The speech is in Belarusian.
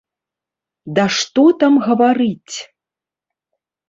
Да што там гаварыць!